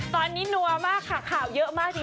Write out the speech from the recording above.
ตอนนี้นัวมากค่ะข่าวเยอะมากจริง